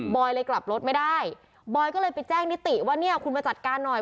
เลยกลับรถไม่ได้บอยก็เลยไปแจ้งนิติว่าเนี่ยคุณมาจัดการหน่อย